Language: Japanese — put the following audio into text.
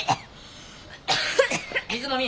水飲み。